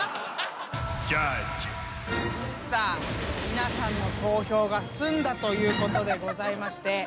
皆さんの投票が済んだということでございまして。